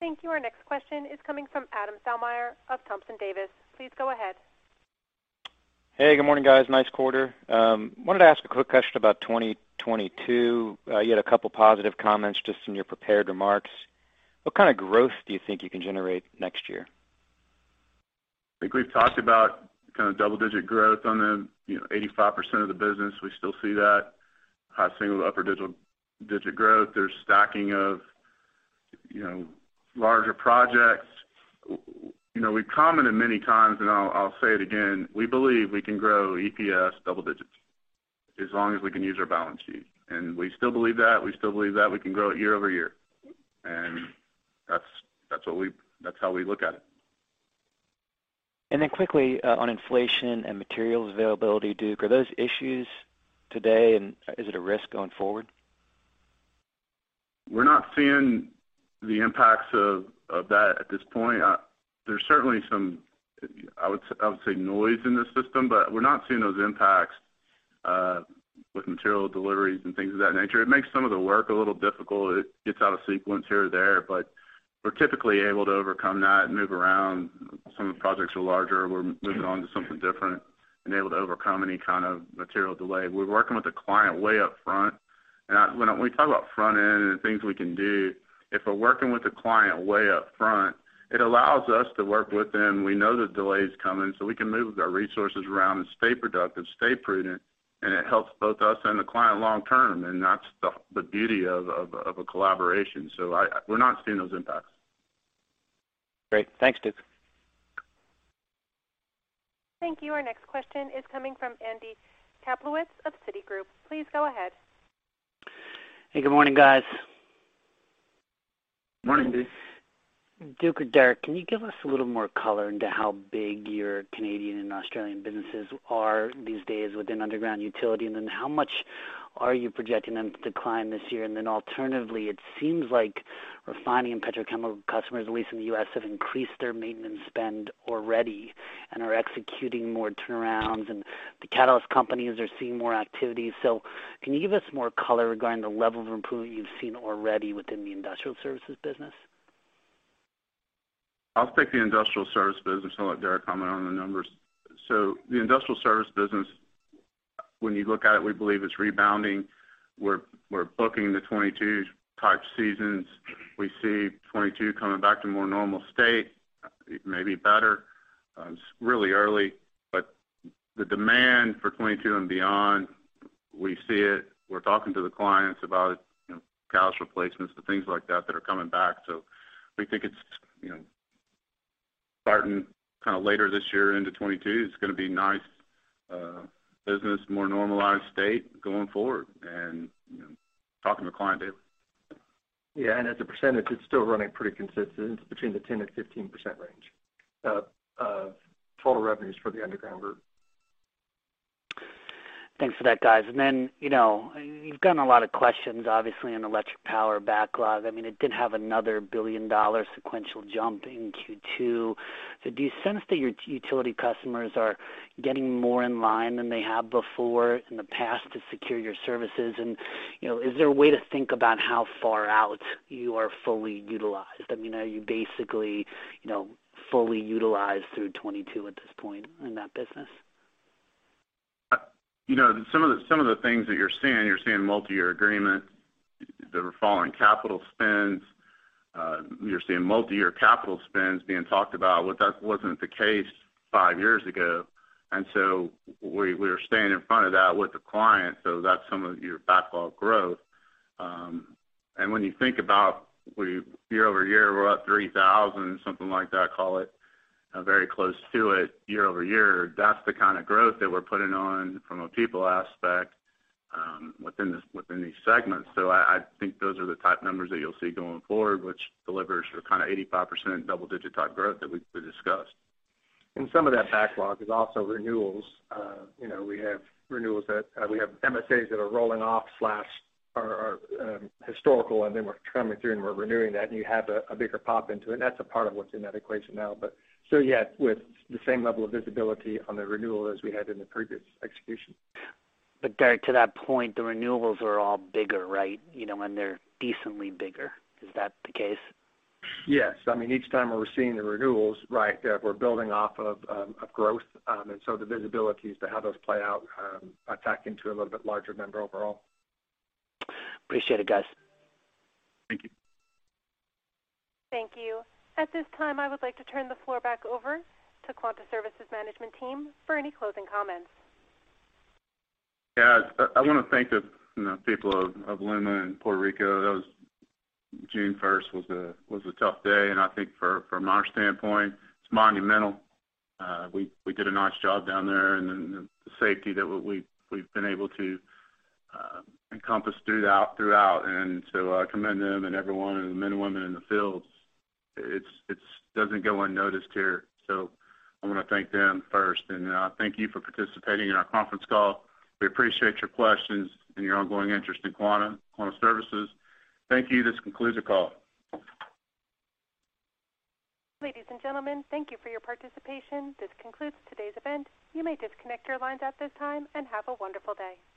Thank you. Our next question is coming from Adam Thalhimer of Thompson Davis. Please go ahead. Hey, good morning, guys. Nice quarter. I wanted to ask a quick question about 2022. You had a couple positive comments just in your prepared remarks. What kind of growth do you think you can generate next year? I think we've talked about kind of double-digit growth on the 85% of the business. We still see that high single to upper digit growth. There's stacking of larger projects. We've commented many times, I'll say it again, we believe we can grow EPS double digits as long as we can use our balance sheet. We still believe that. We still believe that we can grow it year-over-year. That's how we look at it. Then quickly on inflation and materials availability, Duke, are those issues today, and is it a risk going forward? We're not seeing the impacts of that at this point. There's certainly some, I would say, noise in the system, but we're not seeing those impacts with material deliveries and things of that nature. It makes some of the work a little difficult. It gets out of sequence here or there, but we're typically able to overcome that and move around. Some of the projects are larger. We're moving on to something different and able to overcome any kind of material delay. We're working with the client way up front, and when we talk about front end and things we can do, if we're working with the client way up front, it allows us to work with them. We know the delays coming, so we can move our resources around and stay productive, stay prudent, and it helps both us and the client long term, and that's the beauty of a collaboration. We're not seeing those impacts. Great. Thanks, Duke. Thank you. Our next question is coming from Andy Kaplowitz of Citigroup. Please go ahead. Hey, good morning, guys. Morning, Andy. Duke or Derrick, can you give us a little more color into how big your Canadian and Australian businesses are these days within underground utility? How much are you projecting them to decline this year? Alternatively, it seems like refining and petrochemical customers, at least in the U.S., have increased their maintenance spend already and are executing more turnarounds, and the catalyst companies are seeing more activity. Can you give us more color regarding the level of improvement you've seen already within the industrial services business? I'll take the industrial service business and let Derrick comment on the numbers. The industrial service business, when you look at it, we believe it's rebounding. We're booking the 2022 type seasons. We see 2022 coming back to a more normal state, maybe better. It's really early, but the demand for 2022 and beyond, we see it. We're talking to the clients about it, catalyst replacements and things like that that are coming back. We think it's starting kind of later this year into 2022, it's going to be nice business, more normalized state going forward and talking to client daily. Yeah, and as a percentage, it's still running pretty consistent. It's between the 10% and 15% range of total revenues for the underground group. Thanks for that, guys. Then, you've gotten a lot of questions, obviously, on electric power backlog. It did have another billion-dollar sequential jump in Q2. Do you sense that your utility customers are getting more in line than they have before in the past to secure your services? Is there a way to think about how far out you are fully utilized? Are you basically fully utilized through 2022 at this point in that business? Some of the things that you're seeing, you're seeing multi-year agreements that were falling capital spends. You're seeing multi-year capital spends being talked about. That wasn't the case five years ago. We're staying in front of that with the client. That's some of your backlog growth. When you think about year-over-year, we're up 3,000, something like that, call it, very close to it year-over-year. That's the kind of growth that we're putting on from a people aspect within these segments. I think those are the type numbers that you'll see going forward, which delivers your kind of 85% double-digit type growth that we discussed. Some of that backlog is also renewals. We have renewals that we have MSAs that are rolling off/are historical, and then we're coming through and we're renewing that, and you have a bigger pop into it. That's a part of what's in that equation now. Still yet, with the same level of visibility on the renewal as we had in the previous execution. Derrick, to that point, the renewals are all bigger, right? And they're decently bigger. Is that the case? Yes. Each time we're seeing the renewals, we're building off of growth. The visibility as to how those play out track into a little bit larger number overall. Appreciate it, guys. Thank you. Thank you. At this time, I would like to turn the floor back over to Quanta Services management team for any closing comments. Yeah. I want to thank the people of LUMA and Puerto Rico. June 1st was a tough day, and I think from our standpoint, it's monumental. We did a nice job down there, and the safety that we've been able to encompass throughout. I commend them and everyone and the men and women in the fields. It doesn't go unnoticed here. I want to thank them first. Thank you for participating in our conference call. We appreciate your questions and your ongoing interest in Quanta Services. Thank you. This concludes the call. Ladies and gentlemen, thank you for your participation. This concludes today's event. You may disconnect your lines at this time, and have a wonderful day.